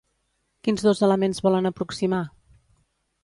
Quins dos elements volen aproximar?